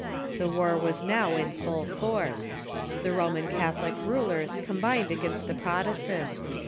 The war was now in full force. The Roman Catholic rulers combined against the Prot estant.